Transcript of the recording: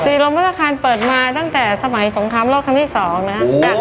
สีโรงพัฒคานเปิดมาตั้งแต่สมัยสงครามโรคนี่สองนะครับ